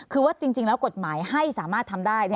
คือว่าจริงแล้วกฎหมายให้สามารถทำได้